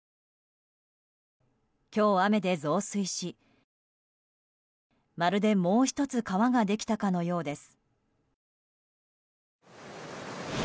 今日雨で増水し、まるでもう１つ川ができたかのようです。